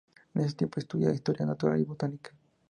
En ese tiempo estudia historia natural y Botánica.